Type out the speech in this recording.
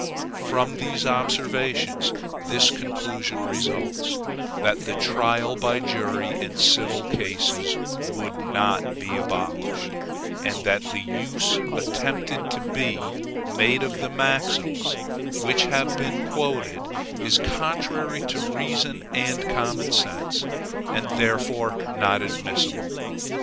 From these observations this conclusion results: that the trial by jury in civil cases would not be abolished; and that the use attempted to be made of the maxims which have been quoted, is contrary to reason and common sense, and therefore not admissible.